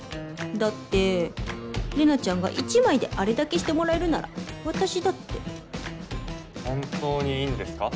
だって玲奈ちゃんが１枚であれだけしてもらえるなら本当にいいんですか？